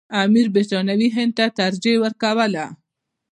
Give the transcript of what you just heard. امیر برټانوي هند ته ترجیح ورکوله.